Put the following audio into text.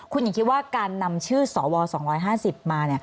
คุณหญิงคิดว่าการนำชื่อสว๒๕๐มา